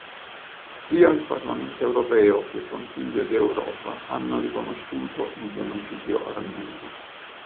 Sia il Parlamento europeo che il Consiglio d'Europa hanno riconosciuto il genocidio armeno.